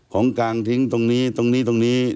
ของกลางทิ้งตรงนี้ตรงนี้ตรงนี้